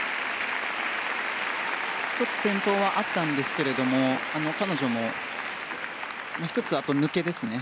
１つ転倒はあったんですけど彼女も１つ、あと抜けですね